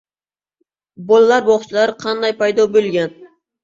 Bolalar bog‘chalari qanday paydo bo‘lgan?